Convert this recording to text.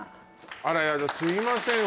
あらヤダすいません